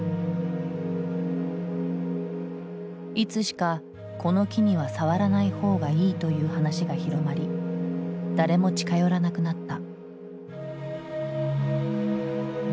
いつしかこの木には触らないほうがいいという話が広まり誰も近寄らなくなった。